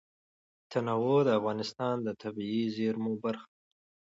تنوع د افغانستان د طبیعي زیرمو برخه ده.